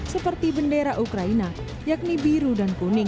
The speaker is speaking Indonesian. seperti bendera ukraina yakni biru dan kuning